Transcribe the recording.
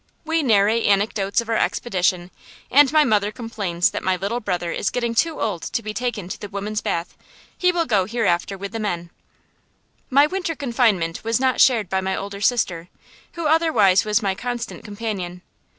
We narrate anecdotes of our expedition, and my mother complains that my little brother is getting too old to be taken to the women's bath. He will go hereafter with the men. [Illustration: THE MEAT MARKET, POLOTZK] My winter confinement was not shared by my older sister, who otherwise was my constant companion.